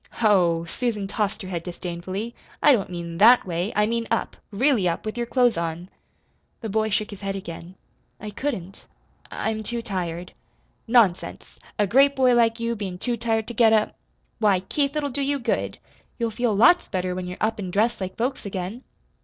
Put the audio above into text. "Ho!" Susan tossed her head disdainfully. "I don't mean THAT way. I mean up really up with your clothes on." The boy shook his head again. "I couldn't. I I'm too tired." "Nonsense! A great boy like you bein' too tired to get up! Why Keith, it'll do you good. You'll feel lots better when you're up an' dressed like folks again."